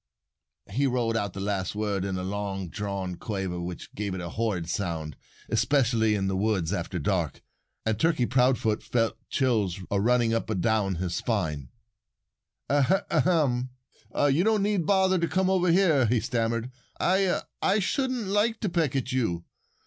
He rolled out the last word in a long drawn quaver which gave it a horrid sound especially in the woods, after dark. And Turkey Proudfoot felt chills a running up and down his back. "A ahem! You you needn't bother to come over here," he stammered. "I I shouldn't like to peck you.